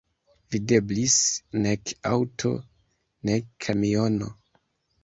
Videblis nek aŭto, nek kamiono.